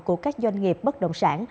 của các doanh nghiệp bất động sản